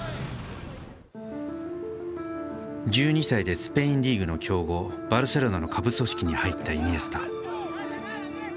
１２歳でスペインリーグの強豪バルセロナの下部組織に入ったイニエスタ。